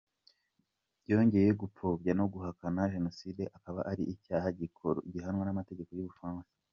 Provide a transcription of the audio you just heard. Byongeye gupfobya no guhakana jenoside akaba ari icyaha gihanwa n’amategeko y’u Bufaransa.